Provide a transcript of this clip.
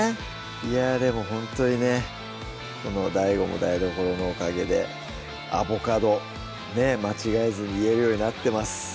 いやでもほんとにねこのＤＡＩＧＯアボカド間違えずに言えるようになってます